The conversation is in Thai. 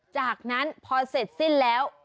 จากนั้นพอเสร็จสิ้นแล้ว